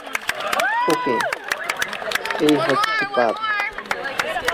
ওকে, এই হচ্ছে পাত।